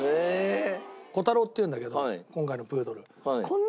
虎太郎っていうんだけど今回のプードル。